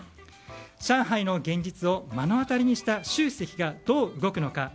上海の現実を目の当たりにした習主席がどう動くのか